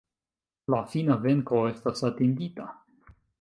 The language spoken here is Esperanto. La fina venko estas atingita!!